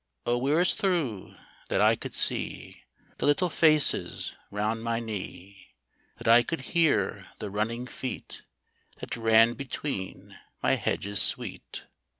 O wirrasthru ! that I could see The little faces round my knee, That I could hear the running feet That ran between my hedges sweet